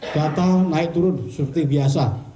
data naik turun seperti biasa